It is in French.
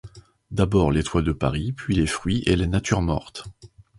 D'abord les toits de Paris, puis les fruits et les natures mortes.